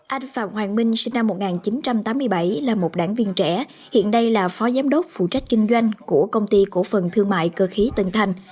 anh phạm hoàng minh sinh năm một nghìn chín trăm tám mươi bảy là một đảng viên trẻ hiện đây là phó giám đốc phụ trách kinh doanh của công ty cổ phần thương mại cơ khí tân thành